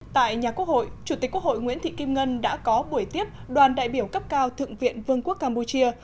tại nhà quốc hội chủ tịch quốc hội nguyễn thị kim ngân đã có buổi tiếp đoàn đại biểu cấp cao thượng viện vương quốc campuchia